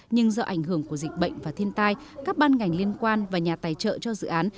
nhưng do ảnh hưởng của dịch bệnh và thiên tai các ban ngành liên quan và nhà tài trợ cho dự án